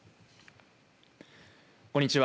こんにちは。